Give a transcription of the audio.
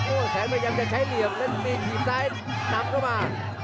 โอ้โหแขนมายับจะใช้เหยียบและมีกลีนซ้ายน้ำเข้ามา